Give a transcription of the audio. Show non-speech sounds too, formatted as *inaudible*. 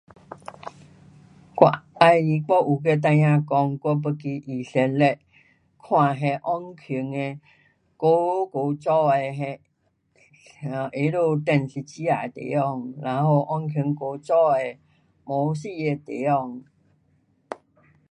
我要，我有跟孩儿说我要去以色列看哪久久前耶稣釘十字架然后 *unintelligible* 古早的古迹的地方.